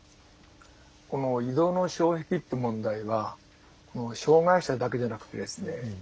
この移動の障壁という問題は障害者だけじゃなくてですね